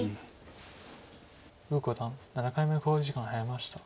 呉五段７回目の考慮時間に入りました。